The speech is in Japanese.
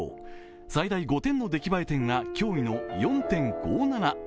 最大５点の出来栄え点が驚異の４．５７。